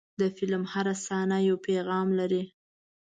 د فلم هره صحنه یو پیغام لري.